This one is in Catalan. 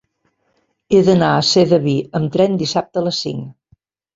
He d'anar a Sedaví amb tren dissabte a les cinc.